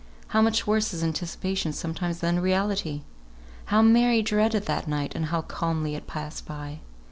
How much worse is anticipation sometimes than reality! How Mary dreaded that night, and how calmly it passed by!